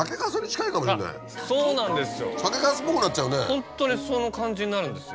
ホントにその感じになるんですよ。